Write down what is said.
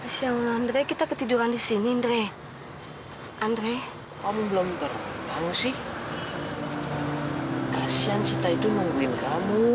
sampai jumpa di video selanjutnya